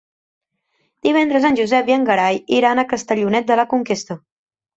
Divendres en Josep i en Gerai iran a Castellonet de la Conquesta.